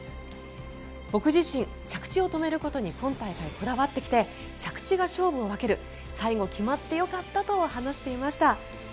僕自身、着地を止めることに今大会こだわってきて着地が勝負を分ける最後決まってよかったと話していました。